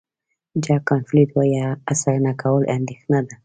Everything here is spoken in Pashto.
جک کانفیلډ وایي هڅه نه کول اندېښنه ده.